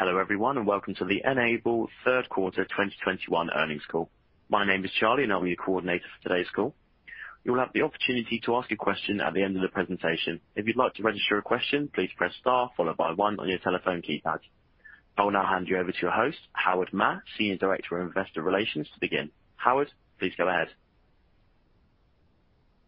Hello everyone, and welcome to the N-able third quarter 2021 earnings call. My name is Charlie, and I'll be your coordinator for today's call. You'll have the opportunity to ask a question at the end of the presentation. If you'd like to register a question, please Press Star followed by one on your telephone keypad. I will now hand you over to your host, Howard Ma, Senior Director of Investor Relations, to begin. Howard, please go ahead.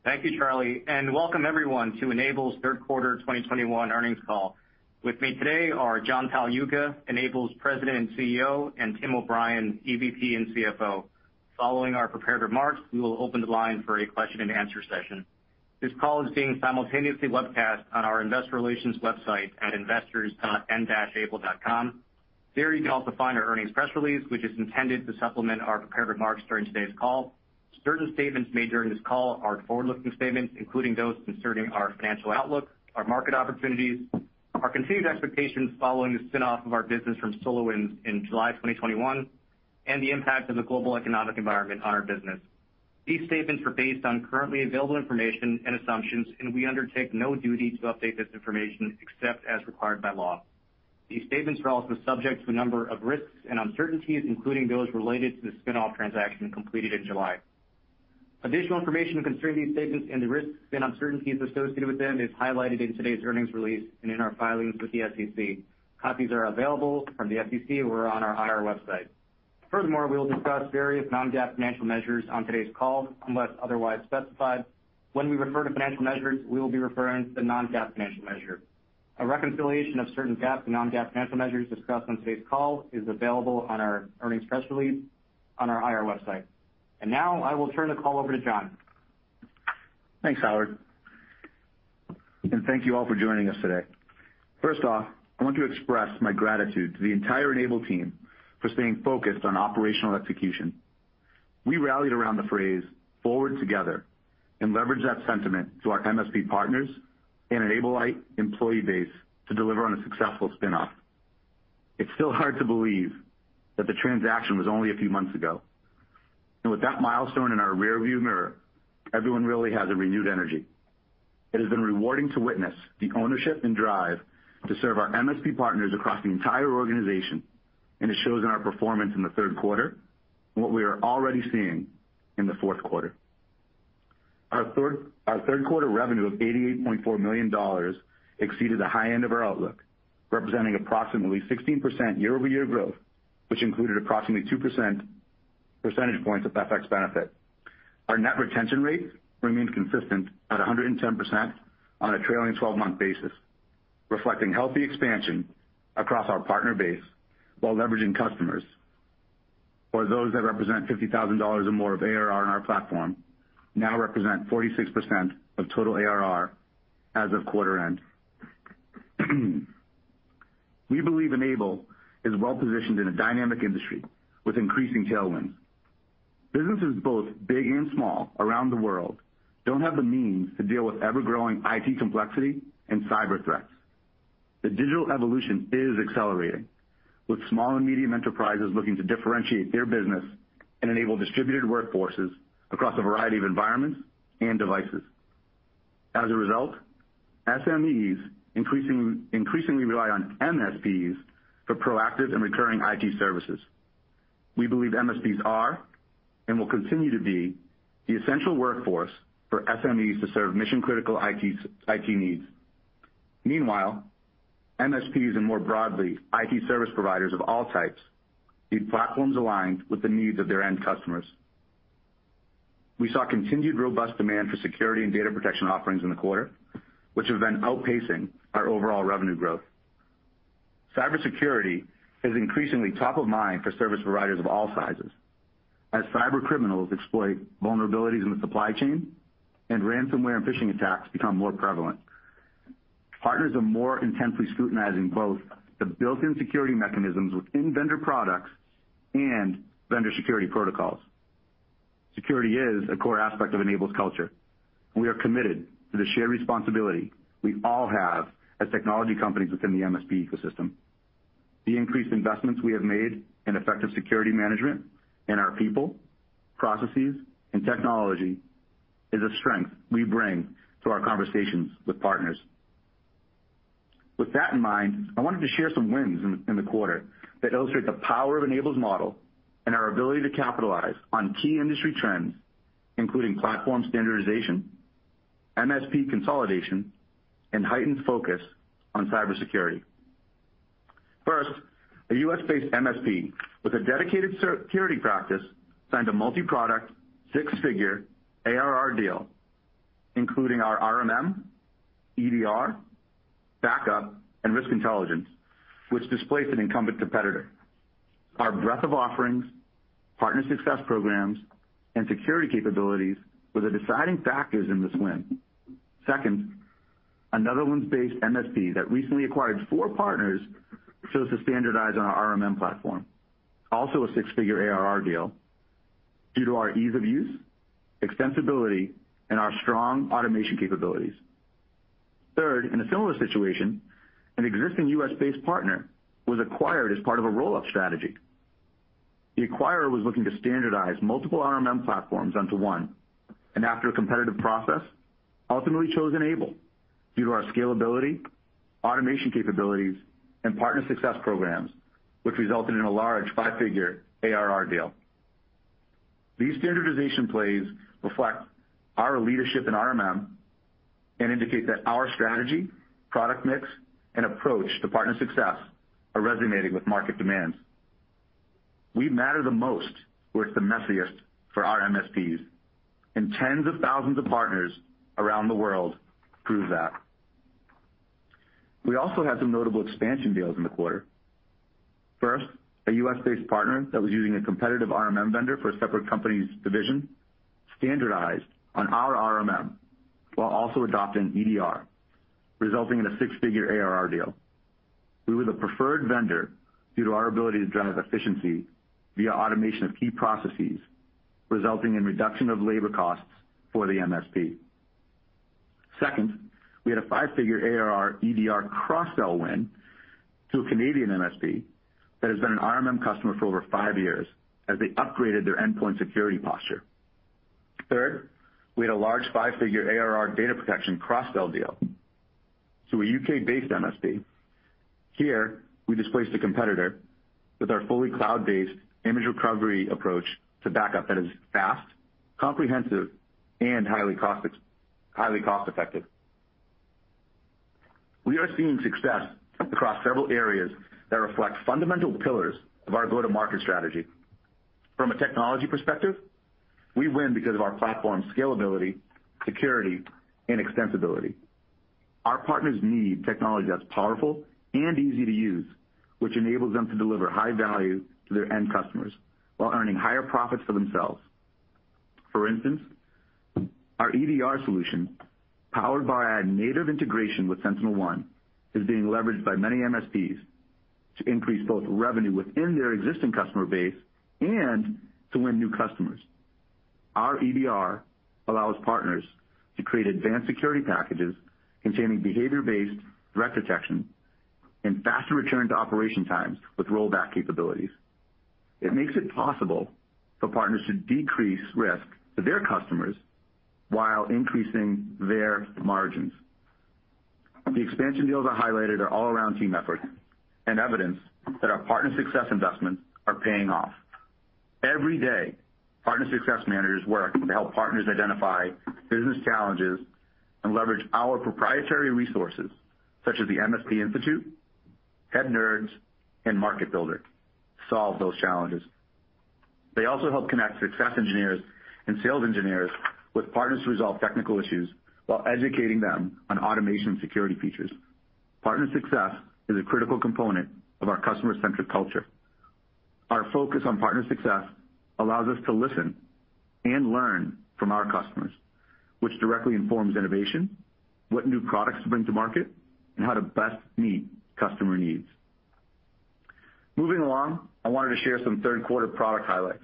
Thank you, Charlie, and welcome everyone to N-able's Q3 2021 earnings call. With me today are John Pagliuca, N-able's President and CEO, and Tim O'Brien, EVP and CFO. Following our prepared remarks, we will open the line for a question-and-answer session. This call is being simultaneously webcast on our investor relations website at investors.n-able.com. There, you can also find our earnings press release, which is intended to supplement our prepared remarks during today's call. Certain statements made during this call are forward-looking statements, including those concerning our financial outlook, our market opportunities, our continued expectations following the spin-off of our business from SolarWinds in July 2021, and the impact of the global economic environment on our business. These statements are based on currently available information and assumptions, and we undertake no duty to update this information except as required by law. These statements are also subject to a number of risks and uncertainties, including those related to the spin-off transaction completed in July. Additional information concerning these statements and the risks and uncertainties associated with them is highlighted in today's earnings release and in our filings with the SEC. Copies are available from the SEC or on our IR website. Furthermore, we will discuss various non-GAAP financial measures on today's call, unless otherwise specified. When we refer to financial measures, we will be referring to non-GAAP financial measures. A reconciliation of certain GAAP to non-GAAP financial measures discussed on today's call is available on our earnings press release on our IR website. Now, I will turn the call over to John. Thanks, Howard. Thank you all for joining us today. First off, I want to express my gratitude to the entire N-able team for staying focused on operational execution. We rallied around the phrase forward together and leveraged that sentiment to our MSP partners and N-able employee base to deliver on a successful spin-off. It's still hard to believe that the transaction was only a few months ago. With that milestone in our rearview mirror, everyone really has a renewed energy. It has been rewarding to witness the ownership and drive to serve our MSP partners across the entire organization, and it shows in our performance in the third quarter and what we are already seeing in the fourth quarter. Our third quarter revenue of $88.4 million exceeded the high end of our outlook, representing approximately 16% year-over-year growth, which included approximately 2 percentage points of FX benefit. Our net retention rate remained consistent at 110% on a trailing 12-month basis, reflecting healthy expansion across our partner base while leveraging customers. For those that represent $50,000 or more of ARR in our platform now represent 46% of total ARR as of quarter end. We believe N-able is well-positioned in a dynamic industry with increasing tailwinds. Businesses both big and small around the world don't have the means to deal with ever-growing IT complexity and cyber threats. The digital evolution is accelerating, with small and medium enterprises looking to differentiate their business and enable distributed workforces across a variety of environments and devices. As a result, SMEs increasingly rely on MSPs for proactive and recurring IT services. We believe MSPs are and will continue to be the essential workforce for SMEs to serve mission-critical IT needs. Meanwhile, MSPs and more broadly, IT service providers of all types need platforms aligned with the needs of their end customers. We saw continued robust demand for security and data protection offerings in the quarter, which have been outpacing our overall revenue growth. Cybersecurity is increasingly top of mind for service providers of all sizes as cybercriminals exploit vulnerabilities in the supply chain, and ransomware and phishing attacks become more prevalent. Partners are more intensely scrutinizing both the built-in security mechanisms within vendor products and vendor security protocols. Security is a core aspect of N-able's culture. We are committed to the shared responsibility we all have as technology companies within the MSP ecosystem. The increased investments we have made in effective security management in our people, processes, and technology is a strength we bring to our conversations with partners. With that in mind, I wanted to share some wins in the quarter that illustrate the power of N-able's model and our ability to capitalize on key industry trends, including platform standardization, MSP consolidation, and heightened focus on cybersecurity. First, a U.S.-based MSP with a dedicated security practice signed a multi-product six-figure ARR deal, including our RMM, EDR, backup, and Risk Intelligence, which displaced an incumbent competitor. Our breadth of offerings, partner success programs, and security capabilities were the deciding factors in this win. Second, a Netherlands-based MSP that recently acquired four partners chose to standardize on our RMM platform. Also a six-figure ARR deal due to our ease of use, extensibility, and our strong automation capabilities. Third, in a similar situation, an existing U.S.-based partner was acquired as part of a roll-up strategy. The acquirer was looking to standardize multiple RMM platforms onto one, and after a competitive process, ultimately chose N-able due to our scalability, automation capabilities, and partner success programs, which resulted in a large five-figure ARR deal. These standardization plays reflect our leadership in RMM and indicate that our strategy, product mix, and approach to partner success are resonating with market demands. We matter the most where it's the messiest for our MSPs, and tens of thousands of partners around the world prove that. We also had some notable expansion deals in the quarter. First, a U.S.-based partner that was using a competitive RMM vendor for a separate company's division standardized on our RMM while also adopting EDR, resulting in a six-figure ARR deal. We were the preferred vendor due to our ability to drive efficiency via automation of key processes, resulting in reduction of labor costs for the MSP. Second, we had a five-figure ARR EDR cross-sell win to a Canadian MSP that has been an RMM customer for over five years as they upgraded their endpoint security posture. Third, we had a large five-figure ARR data protection cross-sell deal to a U.K.-based MSP. Here, we displaced a competitor with our fully cloud-based image recovery approach to backup that is fast, comprehensive, and highly cost-effective. We are seeing success across several areas that reflect fundamental pillars of our go-to-market strategy. From a technology perspective, we win because of our platform scalability, security, and extensibility. Our partners need technology that's powerful and easy to use, which enables them to deliver high value to their end customers while earning higher profits for themselves. For instance, our EDR solution, powered by our native integration with SentinelOne, is being leveraged by many MSPs to increase both revenue within their existing customer base and to win new customers. Our EDR allows partners to create advanced security packages containing behavior-based threat detection and faster return to operation times with rollback capabilities. It makes it possible for partners to decrease risk to their customers while increasing their margins. The expansion deals I highlighted are all-around team efforts and evidence that our partner success investments are paying off. Every day, partner success managers work to help partners identify business challenges and leverage our proprietary resources, such as the MSP Institute, Head Nerds, and MarketBuilder, solve those challenges. They also help connect success engineers and sales engineers with partners to resolve technical issues while educating them on automation security features. Partner success is a critical component of our customer-centric culture. Our focus on partner success allows us to listen and learn from our customers, which directly informs innovation, what new products to bring to market, and how to best meet customer needs. Moving along, I wanted to share some third quarter product highlights.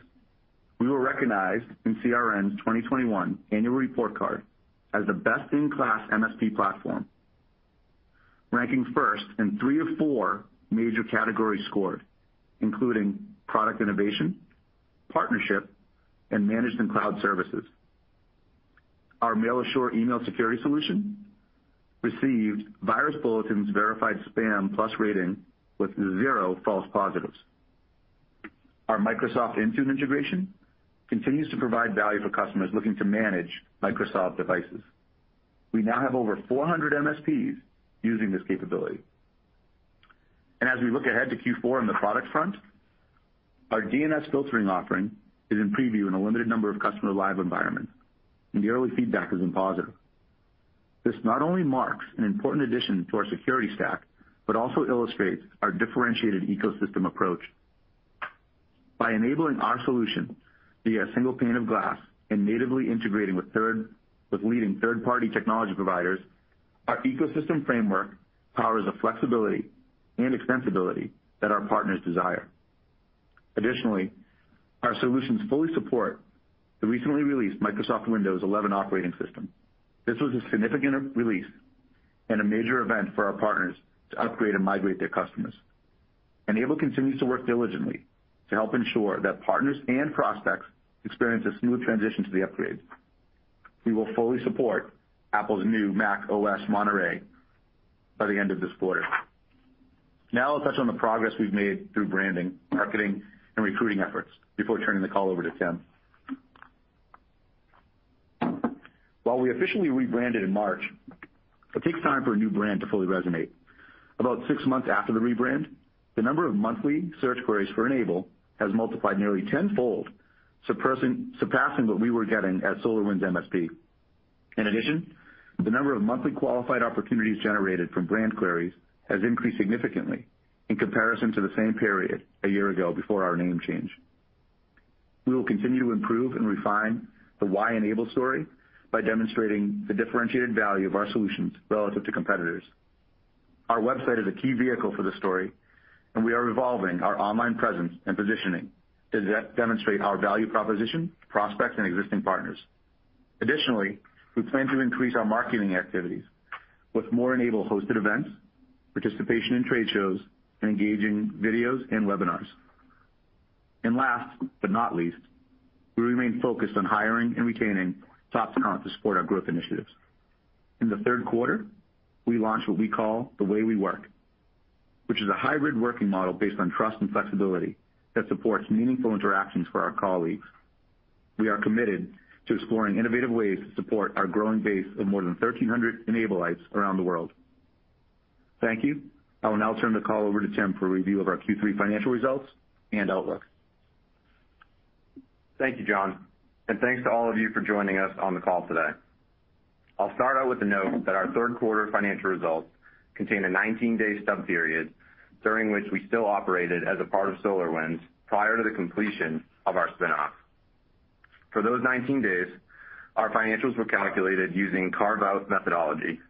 We were recognized in CRN's 2021 annual report card as the best-in-class MSP platform, ranking first in three of four major category scores, including product innovation, partnership, and managed and cloud services. Our Mail Assure email security solution received Virus Bulletin's verified spam plus rating with zero false positives. Our Microsoft Intune integration continues to provide value for customers looking to manage Microsoft devices. We now have over 400 MSPs using this capability. As we look ahead to Q4 on the product front, our DNS Filtering offering is in preview in a limited number of customer live environments, and the early feedback has been positive. This not only marks an important addition to our security stack, but also illustrates our differentiated ecosystem approach. By enabling our solution via a single pane of glass and natively integrating with leading third-party technology providers, our ecosystem framework powers the flexibility and extensibility that our partners desire. Additionally, our solutions fully support the recently released Microsoft Windows 11 operating system. This was a significant release and a major event for our partners to upgrade and migrate their customers. N-able continues to work diligently to help ensure that partners and prospects experience a smooth transition to the upgrade. We will fully support Apple's new macOS Monterey by the end of this quarter. Now I'll touch on the progress we've made through branding, marketing, and recruiting efforts before turning the call over to Tim. While we officially rebranded in March, it takes time for a new brand to fully resonate. About six months after the rebrand, the number of monthly search queries for N-able has multiplied nearly tenfold, surpassing what we were getting at SolarWinds MSP. In addition, the number of monthly qualified opportunities generated from brand queries has increased significantly in comparison to the same period a year ago before our name change. We will continue to improve and refine the Why N-able story by demonstrating the differentiated value of our solutions relative to competitors. Our website is a key vehicle for this story, and we are evolving our online presence and positioning to de-demonstrate our value proposition to prospects and existing partners. Additionally, we plan to increase our marketing activities with more N-able hosted events, participation in trade shows, and engaging videos and webinars. Last but not least, we remain focused on hiring and retaining top talent to support our growth initiatives. In the third quarter, we launched what we call The Way We Work, which is a hybrid working model based on trust and flexibility that supports meaningful interactions for our colleagues. We are committed to exploring innovative ways to support our growing base of more than 1,300 N-ableites around the world. Thank you. I will now turn the call over to Tim for a review of our Q3 financial results and outlook. Thank you, John, and thanks to all of you for joining us on the call today. I'll start out with the note that our third quarter financial results contain a 19-day stub period during which we still operated as a part of SolarWinds prior to the completion of our spin-off. For those 19 days, our financials were calculated using carve-out methodology.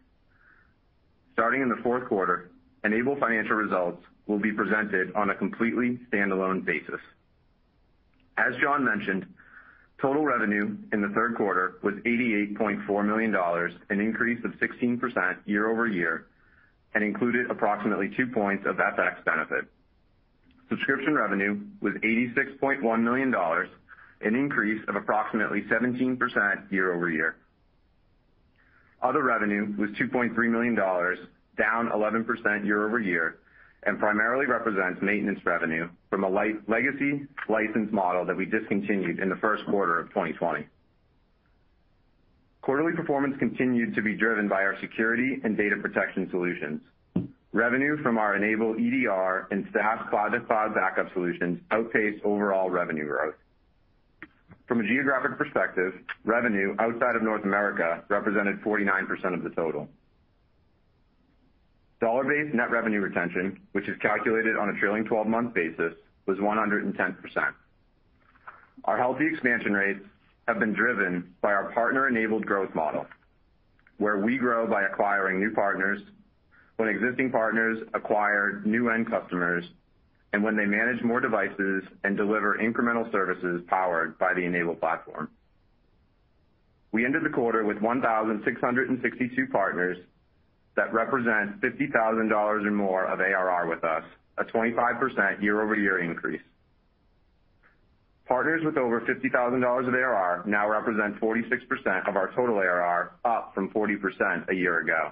Starting in the fourth quarter, N-able financial results will be presented on a completely standalone basis. As John mentioned, total revenue in the third quarter was $88.4 million, an increase of 16% year-over-year, and included approximately two points of FX benefit. Subscription revenue was $86.1 million, an increase of approximately 17% year-over-year. Other revenue was $2.3 million, down 11% year-over-year, and primarily represents maintenance revenue from a legacy license model that we discontinued in the first quarter of 2020. Quarterly performance continued to be driven by our security and data protection solutions. Revenue from our N-able EDR and Stax cloud-to-cloud backup solutions outpaced overall revenue growth. From a geographic perspective, revenue outside of North America represented 49% of the total. Dollar-based net revenue retention, which is calculated on a trailing 12-month basis, was 110%. Our healthy expansion rates have been driven by our partner-enabled growth model, where we grow by acquiring new partners when existing partners acquire new end customers and when they manage more devices and deliver incremental services powered by the N-able platform. We ended the quarter with 1,662 partners that represent $50,000 or more of ARR with us, a 25% year-over-year increase. Partners with over $50,000 of ARR now represent 46% of our total ARR, up from 40% a year ago.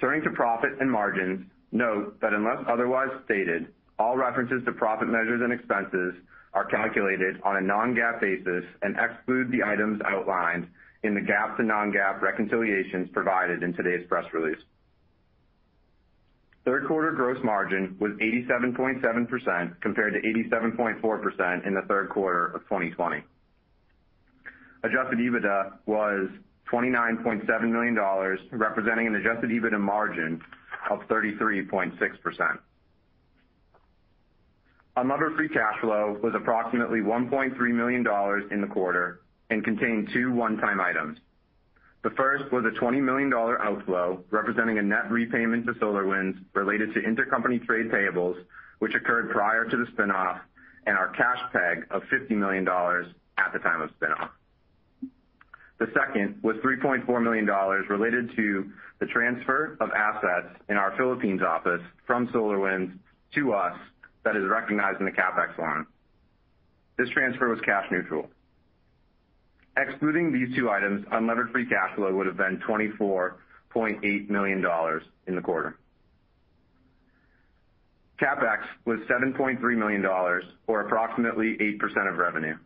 Turning to profit and margins, note that unless otherwise stated, all references to profit measures and expenses are calculated on a non-GAAP basis and exclude the items outlined in the GAAP to non-GAAP reconciliations provided in today's press release. Third quarter gross margin was 87.7% compared to 87.4% in the third quarter of 2020. Adjusted EBITDA was $29.7 million, representing an adjusted EBITDA margin of 33.6%. Unlevered free cash flow was approximately $1.3 million in the quarter and contained two one-time items. The first was a $20 million outflow representing a net repayment to SolarWinds related to intercompany trade payables which occurred prior to the spin-off and our cash peg of $50 million at the time of spin-off. The second was $3.4 million related to the transfer of assets in our Philippines office from SolarWinds to us that is recognized in the CapEx line. This transfer was cash neutral. Excluding these two items, unlevered free cash flow would have been $24.8 million in the quarter. CapEx was $7.3 million, or approximately 8% of revenue.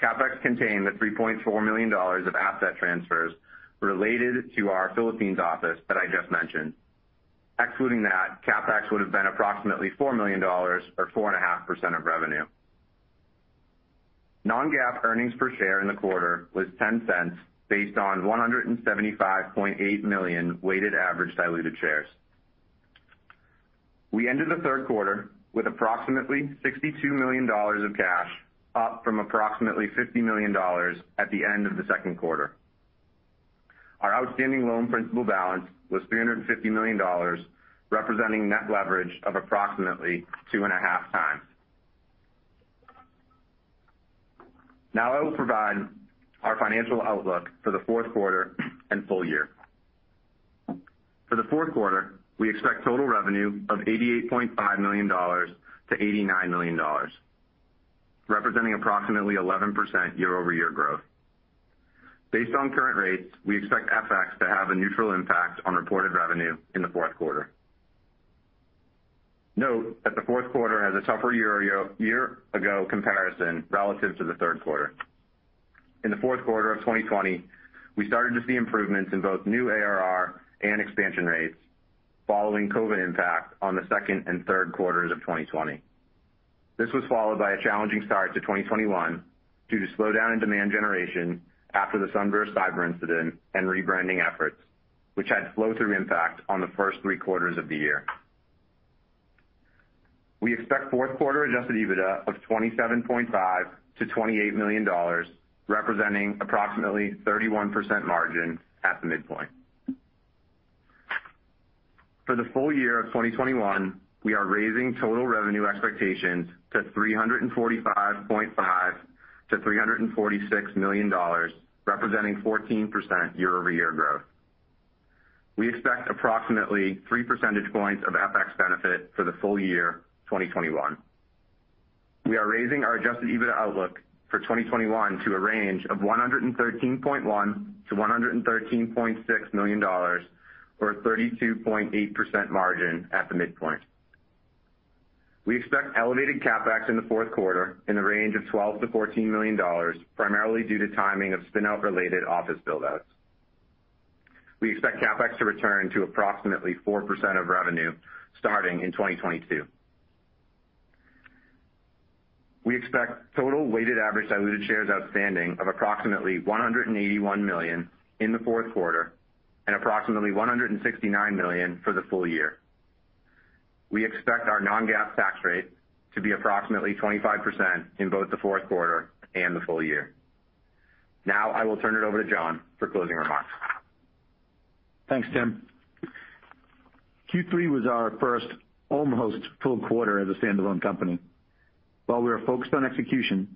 CapEx contained the $3.4 million of asset transfers related to our Philippines office that I just mentioned. Excluding that, CapEx would have been approximately $4 million or 4.5% of revenue. Non-GAAP earnings per share in the quarter was $0.10 based on 175.8 million weighted average diluted shares. We ended the third quarter with approximately $62 million of cash up from approximately $50 million at the end of the second quarter. Our outstanding loan principal balance was $350 million, representing net leverage of approximately 2.5x. Now I will provide our financial outlook for the fourth quarter and full year. For the fourth quarter, we expect total revenue of $88.5 million-$89 million, representing approximately 11% year-over-year growth. Based on current rates, we expect FX to have a neutral impact on reported revenue in the fourth quarter. Note that the fourth quarter has a tougher year ago comparison relative to the third quarter. In the fourth quarter of 2020, we started to see improvements in both new ARR and expansion rates following COVID impact on the second and third quarters of 2020. This was followed by a challenging start to 2021 due to slowdown in demand generation after the SolarWinds cyber incident and rebranding efforts, which had flow-through impact on the first three quarters of the year. We expect fourth quarter adjusted EBITDA of $27.5 million-$28 million, representing approximately 31% margin at the midpoint. For the full year of 2021, we are raising total revenue expectations to $345.5 million-$346 million, representing 14% year-over-year growth. We expect approximately 3 percentage points of FX benefit for the full year 2021. We are raising our adjusted EBITDA outlook for 2021 to a range of $113.1 million-$113.6 million, or a 32.8% margin at the midpoint. We expect elevated CapEx in the fourth quarter in the range of $12 million-$14 million, primarily due to timing of spin-out related office build-outs. We expect CapEx to return to approximately 4% of revenue starting in 2022. We expect total weighted average diluted shares outstanding of approximately 181 million in the fourth quarter and approximately 169 million for the full year. We expect our non-GAAP tax rate to be approximately 25% in both the fourth quarter and the full year. Now I will turn it over to John for closing remarks. Thanks, Tim. Q3 was our first almost full quarter as a standalone company. While we are focused on execution,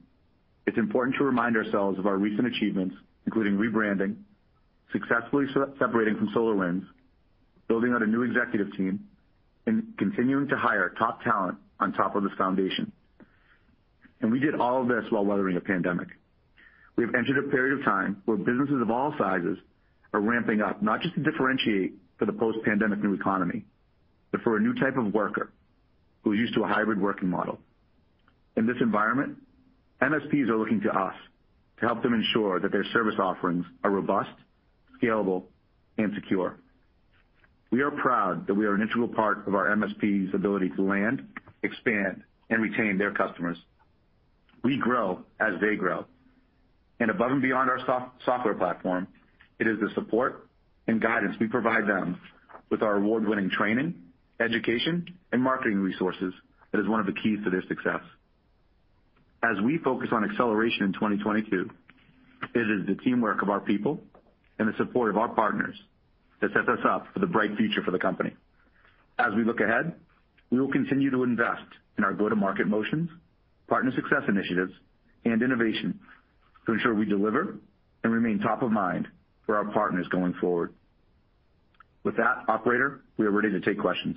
it's important to remind ourselves of our recent achievements, including rebranding, successfully separating from SolarWinds, building out a new executive team, and continuing to hire top talent on top of this foundation. We did all of this while weathering a pandemic. We have entered a period of time where businesses of all sizes are ramping up, not just to differentiate for the post-pandemic new economy, but for a new type of worker who's used to a hybrid working model. In this environment, MSPs are looking to us to help them ensure that their service offerings are robust, scalable, and secure. We are proud that we are an integral part of our MSPs' ability to land, expand, and retain their customers. We grow as they grow. Above and beyond our software platform, it is the support and guidance we provide them with our award-winning training, education, and marketing resources that is one of the keys to their success. As we focus on acceleration in 2022, it is the teamwork of our people and the support of our partners that sets us up for the bright future for the company. As we look ahead, we will continue to invest in our go-to-market motions, partner success initiatives, and innovation to ensure we deliver and remain top of mind for our partners going forward. With that, operator, we are ready to take questions.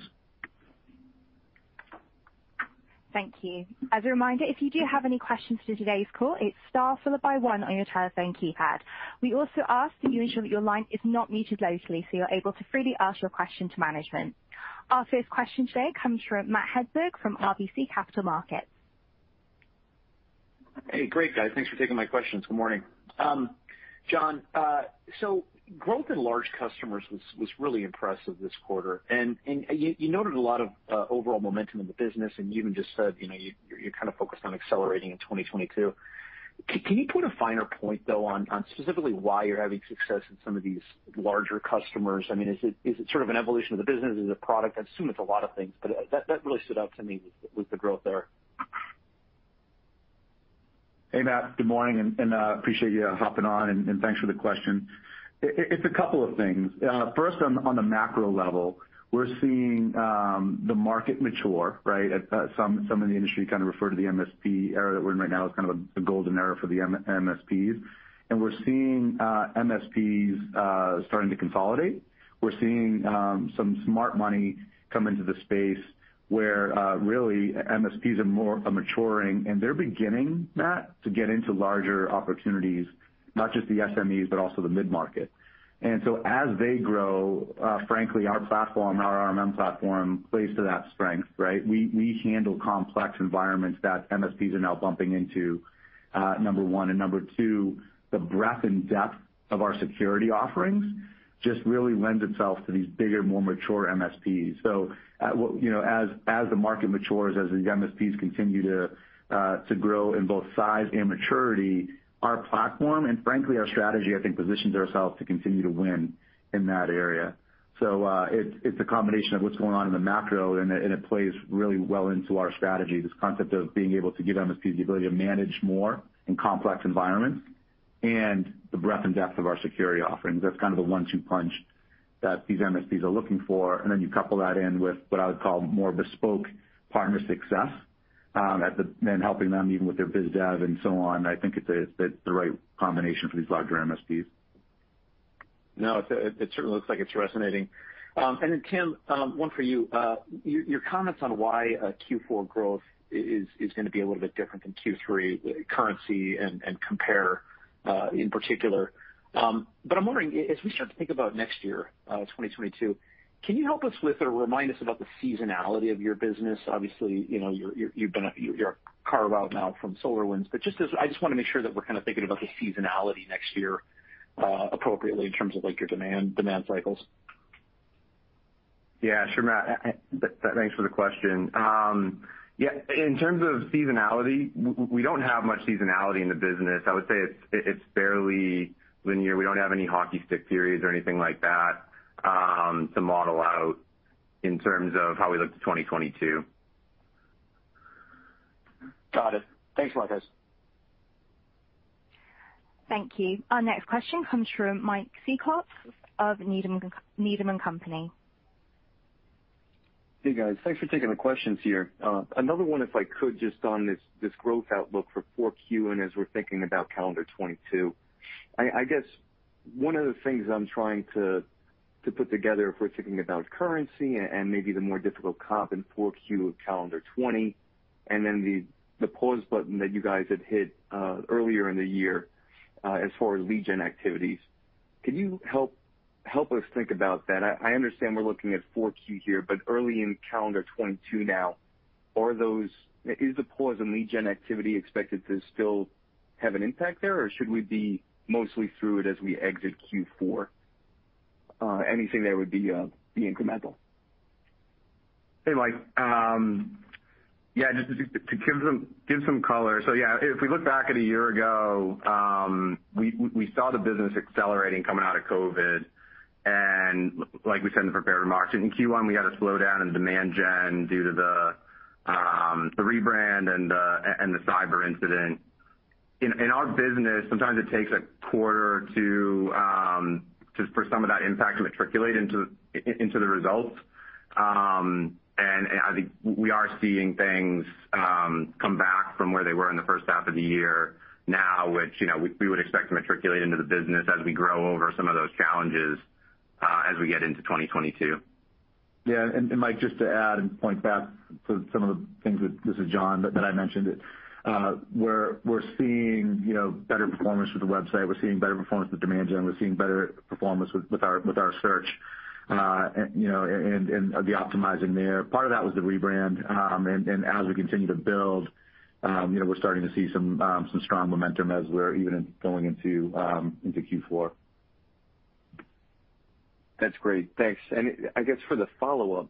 Thank you. As a reminder, if you do have any questions for today's call, it's Star followed by one on your telephone keypad. We also ask that you ensure that your line is not muted locally, so you're able to freely ask your question to management. Our first question today comes from Matt Hedberg from RBC Capital Markets. Hey, great, guys. Thanks for taking my questions. Good morning. John, so growth in large customers was really impressive this quarter, and you noted a lot of overall momentum in the business, and you even just said, you know, you're kind of focused on accelerating in 2022. Can you put a finer point, though, on specifically why you're having success in some of these larger customers? I mean, is it sort of an evolution of the business? Is it a product? I assume it's a lot of things, but that really stood out to me with the growth there. Hey, Matt. Good morning, and appreciate you hopping on, and thanks for the question. It's a couple of things. First, on the macro level, we're seeing the market mature, right? Some in the industry kind of refer to the MSP era that we're in right now as kind of a golden era for the MSPs. We're seeing MSPs starting to consolidate. We're seeing some smart money come into the space where really MSPs are maturing, and they're beginning, Matt, to get into larger opportunities, not just the SMEs, but also the mid-market. As they grow, frankly our platform, our RMM platform plays to that strength, right? We handle complex environments that MSPs are now bumping into, number one. Number two, the breadth and depth of our security offerings just really lends itself to these bigger, more mature MSPs. You know, as the market matures, as the MSPs continue to grow in both size and maturity, our platform and frankly our strategy, I think positions ourselves to continue to win in that area. It's a combination of what's going on in the macro, and it plays really well into our strategy, this concept of being able to give MSPs the ability to manage more in complex environments and the breadth and depth of our security offerings. That's kind of the one-two punch that these MSPs are looking for. Then you couple that in with what I would call more bespoke partner success, then helping them even with their biz dev and so on. I think it's the right combination for these larger MSPs. No, it certainly looks like it's resonating. Then Tim, one for you. Your comments on why Q4 growth is gonna be a little bit different than Q3, currency and comps in particular. I'm wondering, as we start to think about next year, 2022, can you help us with or remind us about the seasonality of your business? Obviously, you know, you're a carve out now from SolarWinds. I just want to make sure that we're kind of thinking about the seasonality next year appropriately in terms of like your demand cycles. Yeah, sure, Matt. Thanks for the question. Yeah, in terms of seasonality, we don't have much seasonality in the business. I would say it's fairly linear. We don't have any hockey stick theories or anything like that, to model out in terms of how we look to 2022. Got it. Thanks, Marcus. Thank you. Our next question comes from Mike Cikos of Needham & Company. Hey, guys. Thanks for taking the questions here. Another one, if I could, just on this growth outlook for 4Q and as we're thinking about calendar 2022. I guess one of the things I'm trying to put together if we're thinking about currency and maybe the more difficult comp in 4Q of calendar 2020, and then the pause button that you guys had hit earlier in the year as far as lead gen activities. Could you help us think about that? I understand we're looking at 4Q here, but early in calendar 2022 now, is the pause on lead gen activity expected to still have an impact there, or should we be mostly through it as we exit Q4? Anything there would be incremental. Hey, Mike. Yeah, just to give some color. Yeah, if we look back at a year ago, we saw the business accelerating coming out of COVID. Like we said in the prepared remarks, in Q1 we had a slowdown in demand gen due to the rebrand and the cyber incident. In our business, sometimes it takes a quarter just for some of that impact to materialize into the results. I think we are seeing things come back from where they were in the first half of the year now, which, you know, we would expect to materialize into the business as we grow over some of those challenges, as we get into 2022. Yeah. Mike, just to add and point back to some of the things that, this is John, that I mentioned. We're seeing, you know, better performance with the website. We're seeing better performance with demand gen. We're seeing better performance with our search and the optimizing there. Part of that was the rebrand. As we continue to build, you know, we're starting to see some strong momentum as we're even going into Q4. That's great. Thanks. I guess for the follow-up,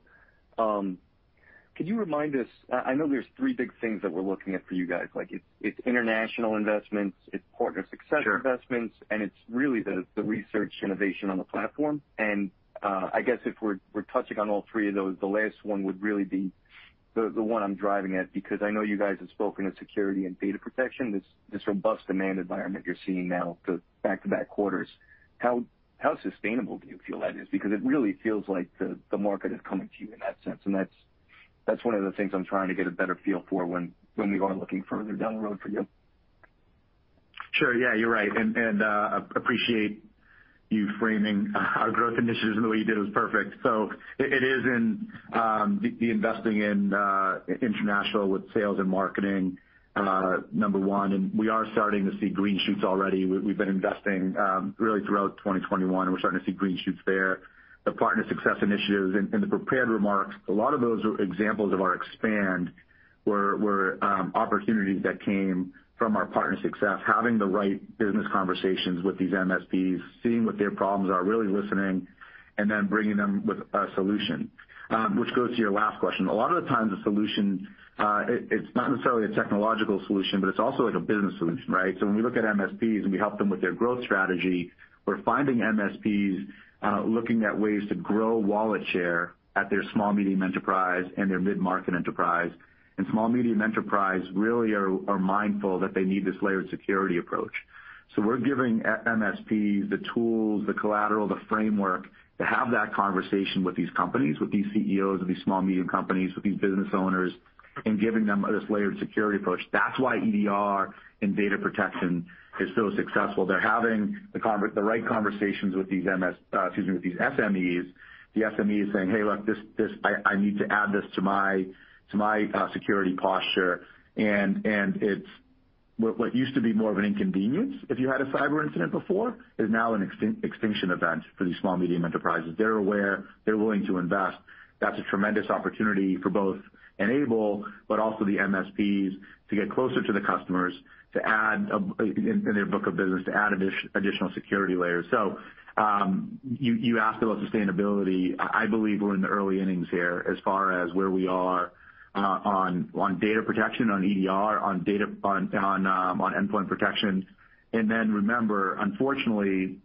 could you remind us? I know there's three big things that we're looking at for you guys. Like, it's international investments, it's partner success- Sure investments, and it's really the research innovation on the platform. I guess if we're touching on all three of those, the last one would really be the one I'm driving at, because I know you guys have spoken of security and data protection, this robust demand environment you're seeing now, the back-to-back quarters. How sustainable do you feel that is? Because it really feels like the market is coming to you in that sense. That's one of the things I'm trying to get a better feel for when we are looking further down the road for you. Sure. Yeah, you're right. I appreciate you framing our growth initiatives. The way you did it was perfect. It is in the investing in international with sales and marketing, number one, and we are starting to see green shoots already. We've been investing really throughout 2021, and we're starting to see green shoots there. The partner success initiatives in the prepared remarks, a lot of those are examples of opportunities that came from our partner success, having the right business conversations with these MSPs, seeing what their problems are, really listening, and then bringing them with a solution. Which goes to your last question. A lot of the times the solution, it's not necessarily a technological solution, but it's also like a business solution, right? When we look at MSPs, and we help them with their growth strategy, we're finding MSPs looking at ways to grow wallet share at their small and medium enterprise and their mid-market enterprise. Small and medium enterprise really are mindful that they need this layered security approach. We're giving MSPs the tools, the collateral, the framework to have that conversation with these companies, with these CEOs of these small and medium companies, with these business owners, and giving them this layered security approach. That's why EDR and data protection is so successful. They're having the right conversations with these SMEs. The SME is saying, "Hey, look, this... I need to add this to my security posture." It's what used to be more of an inconvenience if you had a cyber incident before is now an extinction event for these small/medium enterprises. They're aware. They're willing to invest. That's a tremendous opportunity for both N-able but also the MSPs to get closer to the customers, to add a in their book of business, to add additional security layers. You asked about sustainability. I believe we're in the early innings here as far as where we are on data protection, on EDR, on data, on endpoint protection. Then remember, unfortunately,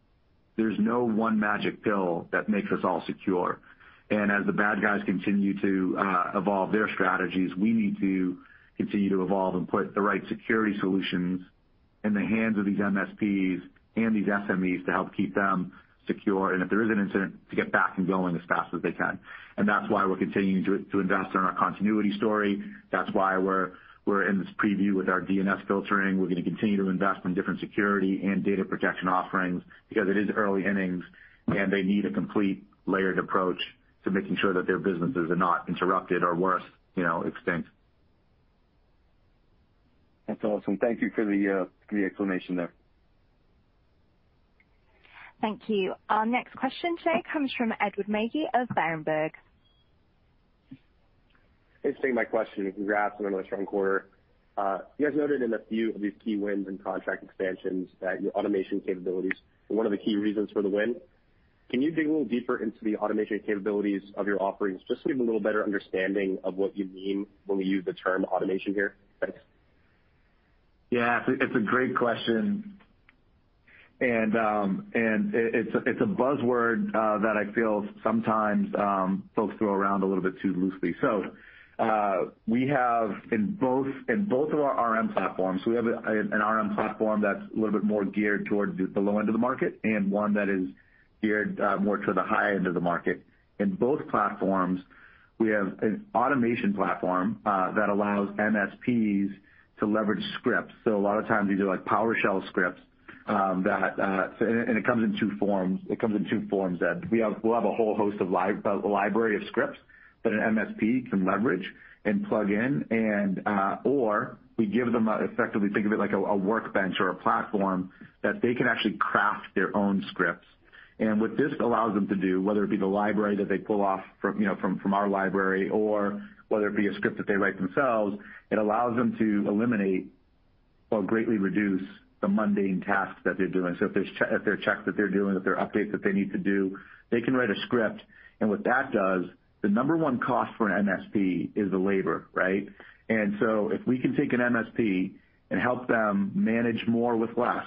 there's no one magic pill that makes us all secure. As the bad guys continue to evolve their strategies, we need to continue to evolve and put the right security solutions in the hands of these MSPs and these SMEs to help keep them secure and, if there is an incident, to get back and going as fast as they can. That's why we're continuing to invest in our continuity story. That's why we're in this preview with our DNS Filtering. We're gonna continue to invest in different security and data protection offerings because it is early innings, and they need a complete layered approach to making sure that their businesses are not interrupted or worse, you know, extinct. That's awesome. Thank you for the explanation there. Thank you. Our next question today comes from Edward Magee of Berenberg. Thanks for taking my question, and congrats on another strong quarter. You guys noted in a few of these key wins and contract expansions that your automation capabilities were one of the key reasons for the win. Can you dig a little deeper into the automation capabilities of your offerings, just to give a little better understanding of what you mean when we use the term automation here? Thanks. Yeah. It's a great question. It's a buzzword that I feel sometimes folks throw around a little bit too loosely. We have in both of our RMM platforms an RMM platform that's a little bit more geared towards the low end of the market and one that is geared more to the high end of the market. In both platforms, we have an automation platform that allows MSPs to leverage scripts. A lot of times these are like PowerShell scripts, and it comes in two forms. It comes in two forms. We have a whole host of live library of scripts that an MSP can leverage and plug in. We give them effectively, think of it like a workbench or a platform that they can actually craft their own scripts. What this allows them to do, whether it be the library that they pull off from, you know, from our library or whether it be a script that they write themselves, it allows them to eliminate or greatly reduce the mundane tasks that they're doing. If there are checks that they're doing, if there are updates that they need to do, they can write a script. What that does, the number one cost for an MSP is the labor, right? If we can take an MSP and help them manage more with less,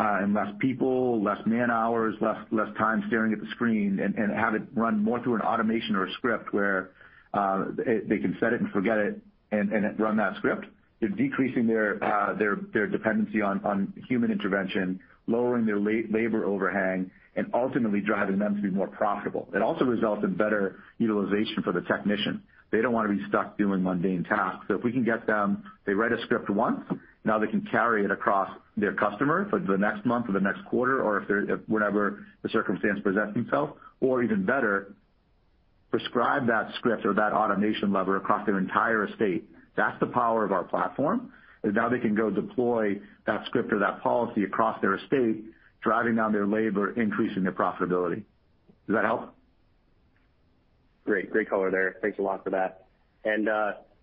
and less people, less man-hours, less time staring at the screen and have it run more through an automation or a script where they can set it and forget it and it run that script, they're decreasing their dependency on human intervention, lowering their labor overhang, and ultimately driving them to be more profitable. It also results in better utilization for the technician. They don't wanna be stuck doing mundane tasks. They write a script once, now they can carry it across their customer for the next month or the next quarter or whenever the circumstance presents themselves, or even better, prescribe that script or that automation level across their entire estate. That's the power of our platform, is now they can go deploy that script or that policy across their estate, driving down their labor, increasing their profitability. Does that help? Great. Great color there. Thanks a lot for that.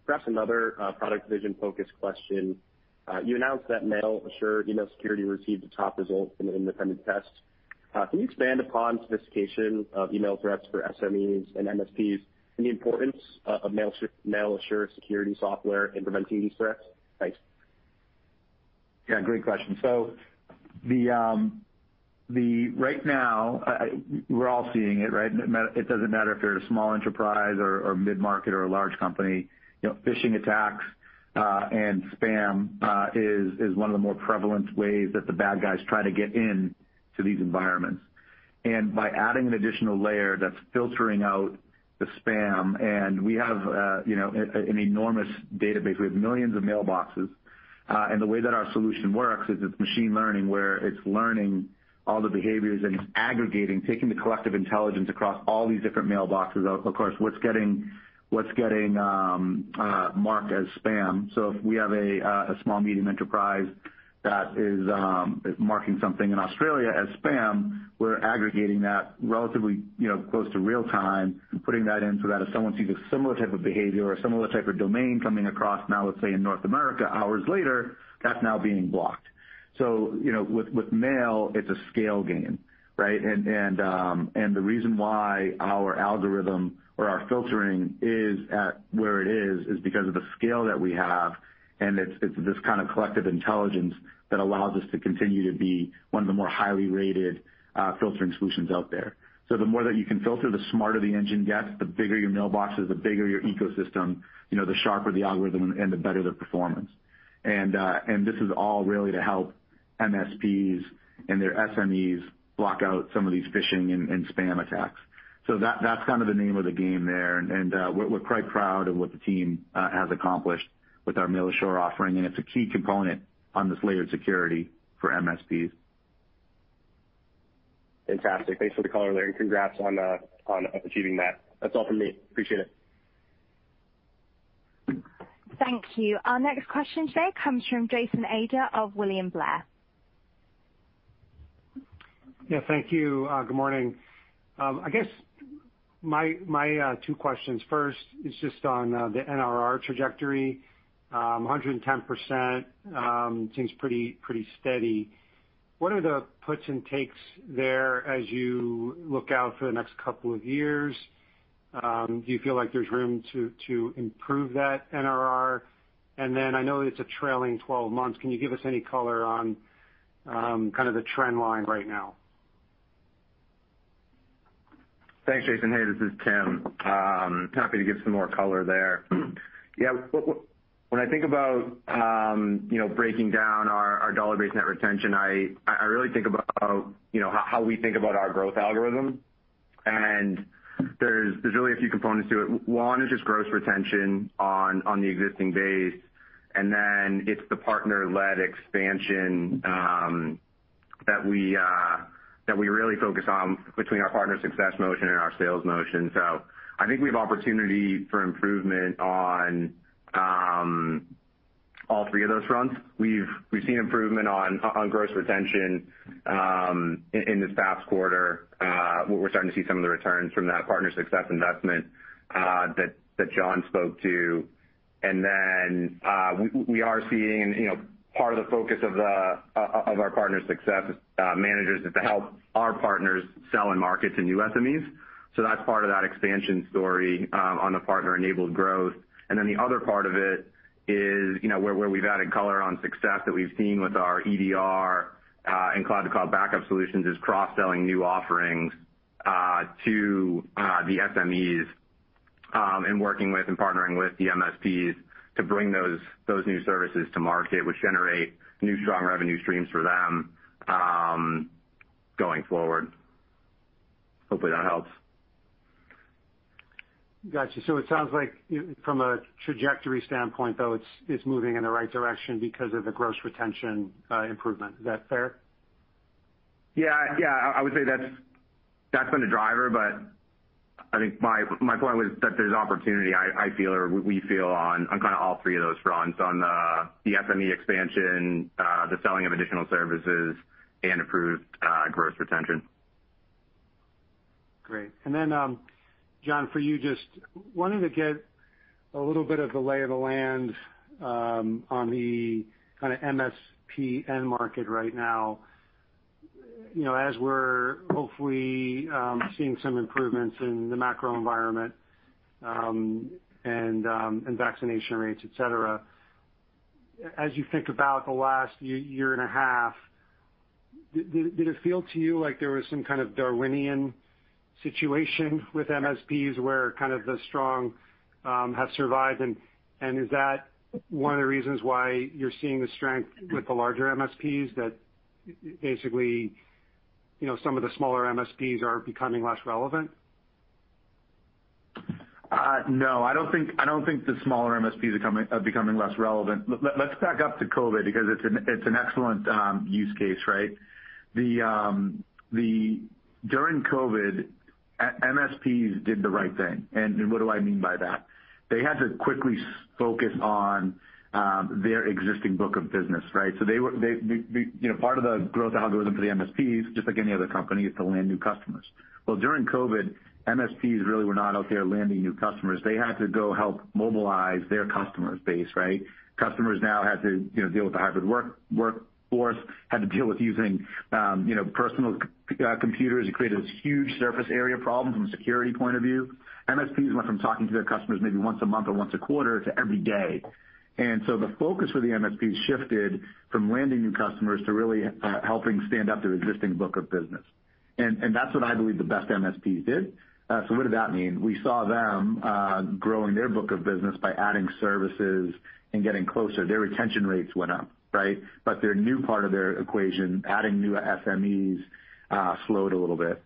Perhaps another product vision-focused question. You announced that Mail Assure email security received the top results in an independent test. Can you expand upon sophistication of email threats for SMEs and MSPs and the importance of Mail Assure security software in preventing these threats? Thanks. Yeah, great question. Right now, we're all seeing it, right? It doesn't matter if you're a small enterprise or mid-market or a large company. You know, phishing attacks and spam is one of the more prevalent ways that the bad guys try to get into these environments. By adding an additional layer that's filtering out the spam, we have an enormous database. We have millions of mailboxes. The way that our solution works is it's machine learning, where it's learning all the behaviors, and it's aggregating, taking the collective intelligence across all these different mailboxes. Of course, what's getting marked as spam. If we have a small medium enterprise that is marking something in Australia as spam, we're aggregating that relatively, you know, close to real-time and putting that in so that if someone sees a similar type of behavior or similar type of domain coming across, now let's say in North America hours later, that's now being blocked. You know, with mail, it's a scale game, right? The reason why our algorithm or our filtering is at where it is is because of the scale that we have, and it's this kind of collective intelligence that allows us to continue to be one of the more highly rated filtering solutions out there. The more that you can filter, the smarter the engine gets, the bigger your mailboxes, the bigger your ecosystem, you know, the sharper the algorithm and the better the performance. This is all really to help MSPs and their SMEs block out some of these phishing and spam attacks. That's kind of the name of the game there. We're quite proud of what the team has accomplished with our Mail Assure offering, and it's a key component on this layered security for MSPs. Fantastic. Thanks for the color there, and congrats on achieving that. That's all from me. Appreciate it. Thank you. Our next question today comes from Jason Ader of William Blair. Yeah, thank you. Good morning. I guess my two questions. First is just on the NRR trajectory. 110% seems pretty steady. What are the puts and takes there as you look out for the next couple of years? Do you feel like there's room to improve that NRR? And then I know it's a trailing 12 months. Can you give us any color on kind of the trend line right now? Thanks, Jason. Hey, this is Tim. Happy to give some more color there. Yeah. When I think about, you know, breaking down our dollar-based net retention, I really think about, you know, how we think about our growth algorithm. There's really a few components to it. One is just gross retention on the existing base, and then it's the partner-led expansion that we really focus on between our partner success motion and our sales motion. I think we have opportunity for improvement on all three of those fronts. We've seen improvement on gross retention in this past quarter. We're starting to see some of the returns from that partner success investment that John spoke to. We are seeing, you know, part of the focus of our partner success managers is to help our partners sell and market to new SMEs. That's part of that expansion story on the partner-enabled growth. The other part of it is, you know, where we've added color on success that we've seen with our EDR and cloud-to-cloud backup solutions is cross-selling new offerings to the SMEs and working with and partnering with the MSPs to bring those new services to market, which generate new strong revenue streams for them going forward. Hopefully that helps. Got you. It sounds like from a trajectory standpoint, though, it's moving in the right direction because of the gross retention improvement. Is that fair? Yeah. I would say that's been a driver, but I think my point was that there's opportunity I feel or we feel on kinda all three of those fronts, on the SME expansion, the selling of additional services, and improved gross retention. Great. John, for you, just wanting to get a little bit of the lay of the land, on the kinda MSP end market right now. You know, as we're hopefully seeing some improvements in the macro environment, and vaccination rates, et cetera, as you think about the last year and a half, did it feel to you like there was some kind of Darwinian situation with MSPs where kind of the strong have survived? Is that one of the reasons why you're seeing the strength with the larger MSPs that basically, you know, some of the smaller MSPs are becoming less relevant? No. I don't think the smaller MSPs are becoming less relevant. Let's back up to COVID because it's an excellent use case, right? During COVID, MSPs did the right thing, and what do I mean by that? They had to quickly focus on their existing book of business, right? They, you know, part of the growth algorithm for the MSPs, just like any other company, is to land new customers. Well, during COVID, MSPs really were not out there landing new customers. They had to go help mobilize their customer base, right? Customers now had to, you know, deal with the hybrid workforce, had to deal with using, you know, personal computers. It created this huge surface area problem from a security point of view. MSPs went from talking to their customers maybe once a month or once a quarter to every day. The focus for the MSPs shifted from landing new customers to really helping stand up their existing book of business. That's what I believe the best MSPs did. What did that mean? We saw them growing their book of business by adding services and getting closer. Their retention rates went up, right? Their new part of their equation, adding new SMEs, slowed a little bit.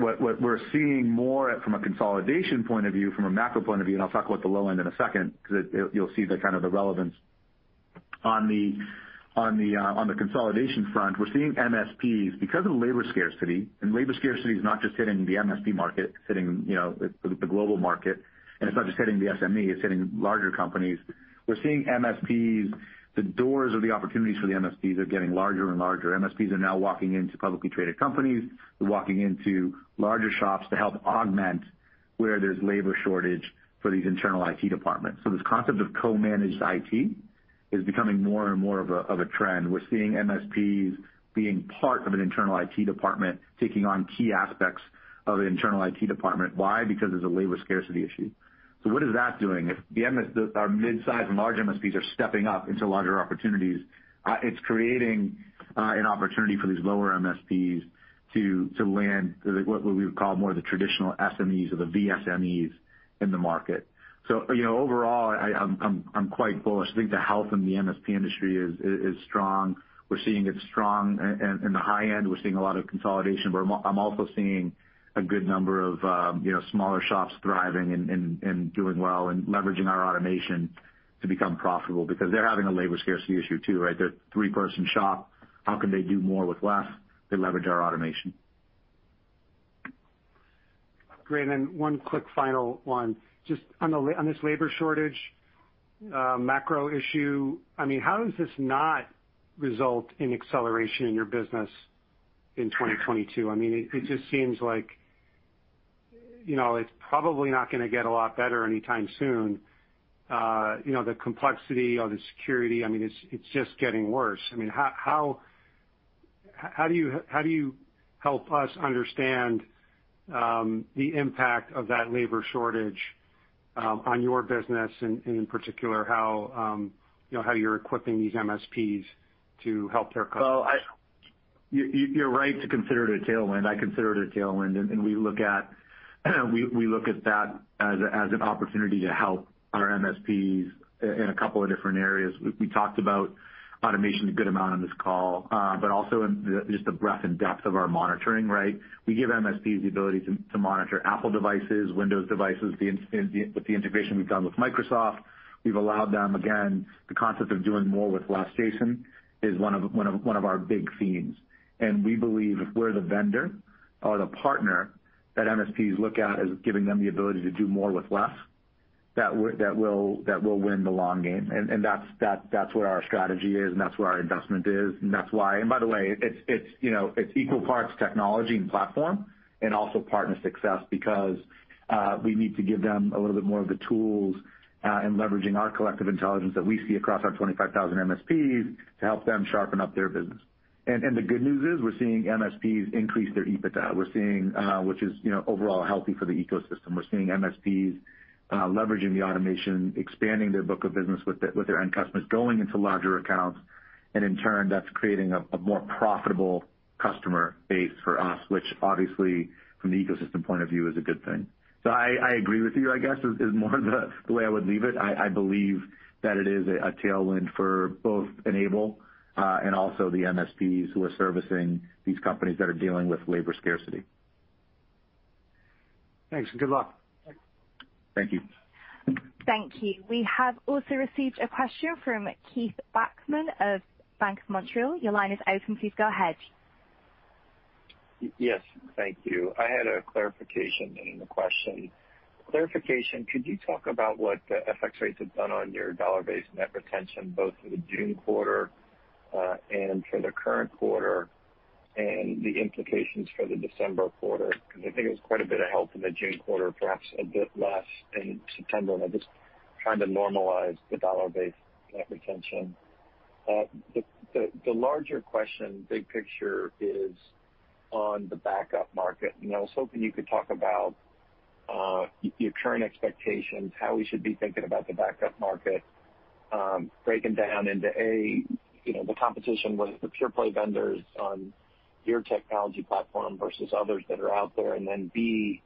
What we're seeing more from a consolidation point of view, from a macro point of view, and I'll talk about the low end in a second 'cause you'll see the kind of the relevance. On the consolidation front, we're seeing MSPs, because of the labor scarcity, and labor scarcity is not just hitting the MSP market, you know, the global market, and it's not just hitting the SME, it's hitting larger companies. We're seeing MSPs, the doors or the opportunities for the MSPs are getting larger and larger. MSPs are now walking into publicly traded companies. They're walking into larger shops to help augment where there's labor shortage for these internal IT departments. This concept of co-managed IT is becoming more and more of a trend. We're seeing MSPs being part of an internal IT department, taking on key aspects of an internal IT department. Why? Because there's a labor scarcity issue. What is that doing? If our midsize and large MSPs are stepping up into larger opportunities, it's creating an opportunity for these lower MSPs to land the what we would call more the traditional SMEs or the VSMEs in the market. You know, overall, I'm quite bullish. I think the health in the MSP industry is strong. We're seeing it strong in the high end. We're seeing a lot of consolidation, but I'm also seeing a good number of you know, smaller shops thriving and doing well and leveraging our automation to become profitable because they're having a labor scarcity issue too, right? They're a three-person shop. How can they do more with less? They leverage our automation. Great. One quick final one. Just on this labor shortage, macro issue, I mean, how does this not result in acceleration in your business in 2022? I mean, it just seems like, you know, it's probably not gonna get a lot better anytime soon. You know, the complexity or the security, I mean, it's just getting worse. I mean, how do you help us understand the impact of that labor shortage on your business and in particular how, you know, how you're equipping these MSPs to help their customers? You're right to consider it a tailwind. I consider it a tailwind, and we look at that as an opportunity to help our MSPs in a couple of different areas. We talked about automation a good amount on this call, but also in just the breadth and depth of our monitoring, right? We give MSPs the ability to monitor Apple devices, Windows devices, with the integration we've done with Microsoft. We've allowed them, again, the concept of doing more with less, Jason, is one of our big themes. We believe if we're the vendor or the partner that MSPs look at as giving them the ability to do more with less, that will win the long game. That's what our strategy is, and that's where our investment is, and that's why. By the way, it's, you know, it's equal parts technology and platform, and also partner success because we need to give them a little bit more of the tools, and leveraging our collective intelligence that we see across our 25,000 MSPs to help them sharpen up their business. The good news is we're seeing MSPs increase their EBITDA, which is, you know, overall healthy for the ecosystem. We're seeing MSPs leveraging the automation, expanding their book of business with their end customers, going into larger accounts, and in turn, that's creating a more profitable customer base for us, which obviously from the ecosystem point of view is a good thing. I agree with you, I guess, is more the way I would leave it. I believe that it is a tailwind for both N-able and also the MSPs who are servicing these companies that are dealing with labor scarcity. Thanks, and good luck. Thank you. Thank you. We have also received a question from Keith Bachman of BMO Capital Markets. Your line is open. Please go ahead. Yes. Thank you. I had a clarification and a question. Clarification, could you talk about what FX rates have done on your dollar-based net retention both for the June quarter and for the current quarter, and the implications for the December quarter? Because I think it was quite a bit of help in the June quarter, perhaps a bit less in September, and I'm just trying to normalize the dollar-based net retention. The larger question, big picture is on the backup market, and I was hoping you could talk about your current expectations, how we should be thinking about the backup market, breaking down into, A, you know, the competition with the pure play vendors on your technology platform versus others that are out there, and then, B,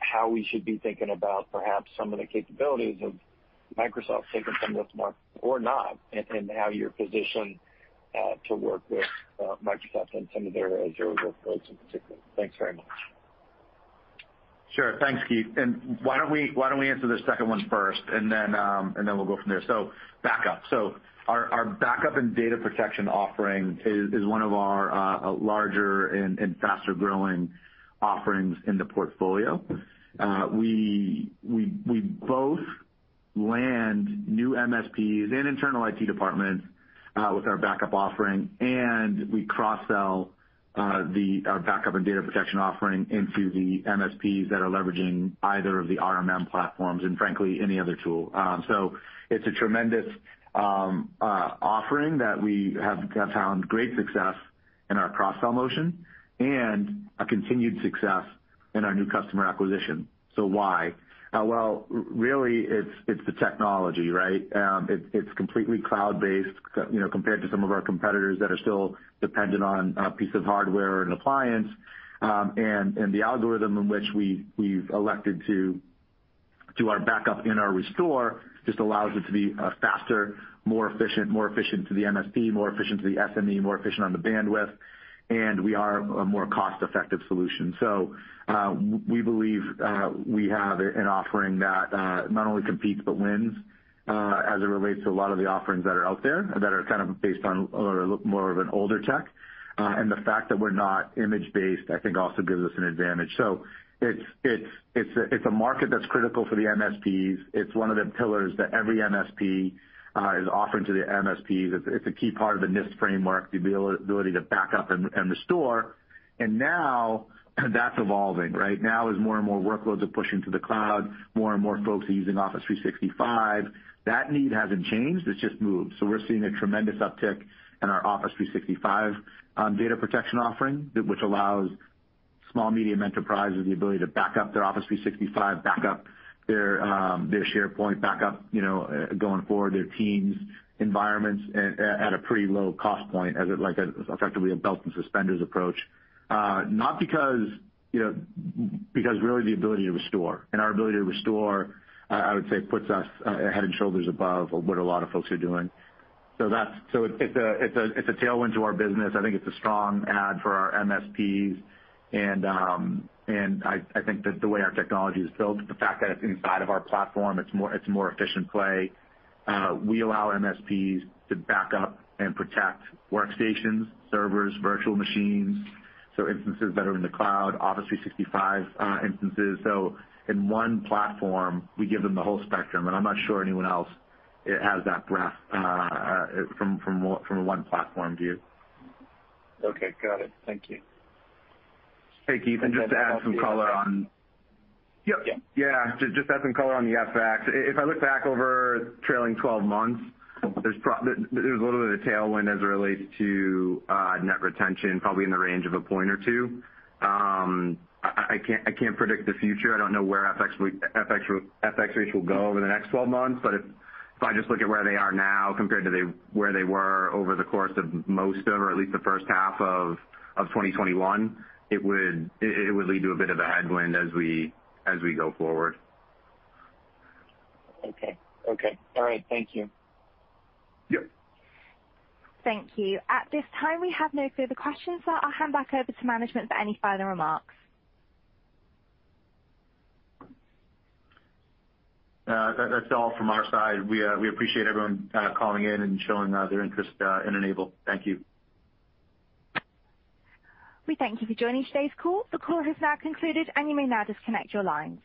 how we should be thinking about perhaps some of the capabilities of Microsoft taking some of this market or not, and how you're positioned to work with Microsoft and some of their Azure workloads in particular. Thanks very much. Sure. Thanks, Keith. Why don't we answer the second one first, and then we'll go from there. Backup. Our backup and data protection offering is one of our larger and faster growing offerings in the portfolio. We both land new MSPs and internal IT departments with our backup offering, and we cross-sell our backup and data protection offering into the MSPs that are leveraging either of the RMM platforms and frankly any other tool. It's a tremendous offering that we have found great success in our cross-sell motion and a continued success in our new customer acquisition. Why? Well, really, it's the technology, right? It's completely cloud-based, you know, compared to some of our competitors that are still dependent on a piece of hardware and appliance. The algorithm in which we've elected to our backup and our restore just allows it to be faster, more efficient to the MSP, more efficient to the SME, more efficient on the bandwidth, and we are a more cost-effective solution. We believe we have an offering that not only competes but wins as it relates to a lot of the offerings that are out there that are kind of based on or look more of an older tech. The fact that we're not image-based, I think also gives us an advantage. It's a market that's critical for the MSPs. It's one of the pillars that every MSP is offering to the MSPs. It's a key part of the NIST framework, the availability to back up and restore. Now that's evolving, right? Now as more and more workloads are pushing to the cloud, more and more folks are using Office 365. That need hasn't changed. It's just moved. We're seeing a tremendous uptick in our Office 365 data protection offering, which allows small, medium enterprises the ability to back up their Office 365, back up their their SharePoint, back up you know going forward their Teams environments at a pretty low cost point as effectively a belt and suspenders approach. Not because you know because really the ability to restore. Our ability to restore, I would say, puts us head and shoulders above what a lot of folks are doing. That's a tailwind to our business. I think it's a strong add for our MSPs. I think that the way our technology is built, the fact that it's inside of our platform, it's a more efficient play. We allow MSPs to back up and protect workstations, servers, virtual machines, so instances that are in the cloud, Office 365 instances. In one platform, we give them the whole spectrum, and I'm not sure anyone else has that breadth from a one platform view. Okay. Got it. Thank you. Hey, Keith, just to add some color on- Yep. Yeah, just to add some color on the FX. If I look back over trailing 12 months, there's a little bit of tailwind as it relates to net retention, probably in the range of a point or two. I can't predict the future. I don't know where FX rates will go over the next 12 months. If I just look at where they are now compared to where they were over the course of most of or at least the first half of 2021, it would lead to a bit of a headwind as we go forward. Okay. All right. Thank you. Yep. Thank you. At this time, we have no further questions, so I'll hand back over to management for any final remarks. That's all from our side. We appreciate everyone calling in and showing their interest in N-able. Thank you. We thank you for joining today's call. The call has now concluded, and you may now disconnect your lines.